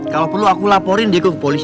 kalau perlu aku laporin diego ke polis